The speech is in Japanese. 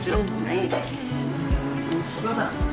お父さん。